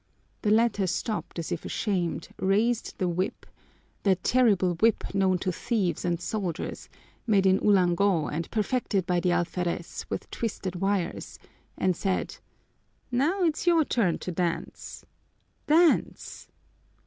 The latter stopped as if ashamed, raised the whip, that terrible whip known to thieves and soldiers, made in Ulango and perfected by the alferez with twisted wires, and said, "Now it's your turn to dance dance!"